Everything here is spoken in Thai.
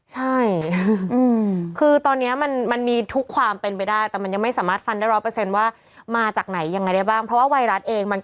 เห้ยหรือมันอยู่ในอากาศ